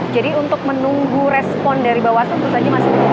jadi untuk menunggu respon dari bawaslu terus saja kita akan menunggu